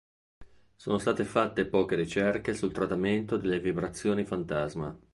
Sono state fatte poche ricerche sul trattamento delle vibrazioni fantasma.